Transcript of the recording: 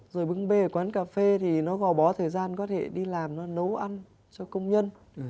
rồi bưng bê ở quán cà phê thì nó gò bó thời gian có thể đi làm nó nấu ăn cho công nhân